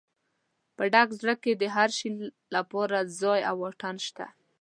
په ډک زړه کې د هر شي لپاره ځای او واټن شته.